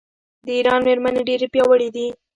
د ایران میرمنې ډیرې پیاوړې دي.